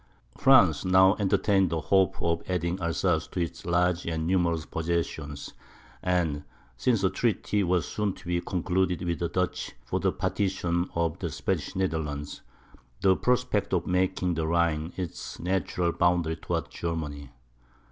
France now entertained the hope of adding Alsace to its large and numerous possessions, and, since a treaty was soon to be concluded with the Dutch for the partition of the Spanish Netherlands the prospect of making the Rhine its natural boundary towards Germany.